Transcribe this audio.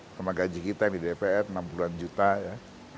sama gaji kita yang di dpr enam puluh an juta ya